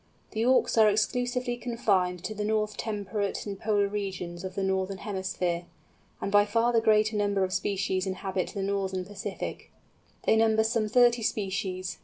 The Auks are exclusively confined to the north temperate and polar regions of the Northern Hemisphere: and by far the greater number of species inhabit the Northern Pacific. They number some thirty species.